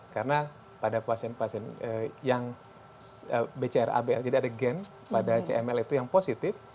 karena pada pasien pasien yang bcr abl jadi ada gen pada cml itu yang positif